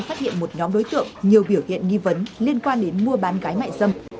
phát hiện một nhóm đối tượng nhiều biểu hiện nghi vấn liên quan đến mua bán gái mại dâm